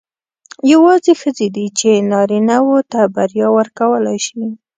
یوازې ښځې دي چې نارینه وو ته بریا ورکولای شي.